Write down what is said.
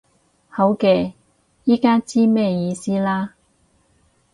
好嘅，依家知咩意思啦